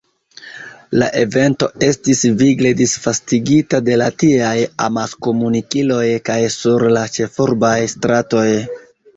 La evento estis vigle disvastigita de la tieaj amaskomunikiloj kaj sur la ĉefurbaj stratoj.